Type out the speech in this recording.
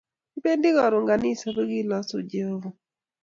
Kibendi karon kanisa pkelosu Jehovah